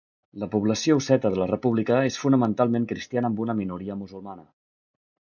La població osseta de la república és fonamentalment cristiana amb una minoria musulmana.